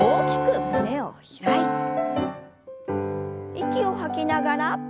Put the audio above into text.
息を吐きながら。